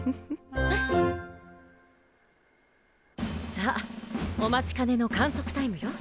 さあお待ちかねの観測タイムよ